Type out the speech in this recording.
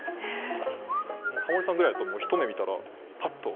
タモリさんぐらいだともう一目見たらパッと。